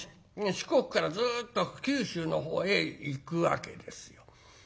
四国からずっと九州のほうへ行くわけですよ。